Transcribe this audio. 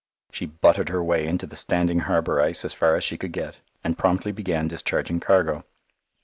She butted her way into the standing harbour ice as far as she could get, and promptly began discharging cargo.